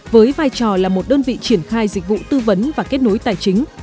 với vai trò là một đơn vị triển khai dịch vụ tư vấn và kết nối tài chính